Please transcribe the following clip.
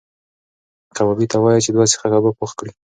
کبابي ته وایه چې دوه سیخه کباب پخ کړي.